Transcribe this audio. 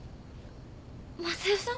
昌代さん？